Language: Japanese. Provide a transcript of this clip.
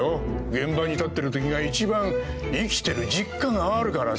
現場に立ってるときが一番生きてる実感あるからさ。